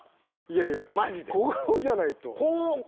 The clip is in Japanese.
いやいや小顔じゃないと。